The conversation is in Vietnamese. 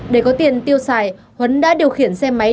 để có tiền tiêu xài huấn đã điều khiển xe máy